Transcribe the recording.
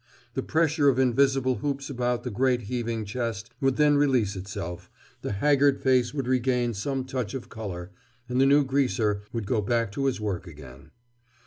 The pressure of invisible hoops about the great heaving chest would then release itself, the haggard face would regain some touch of color, and the new greaser would go back to his work again.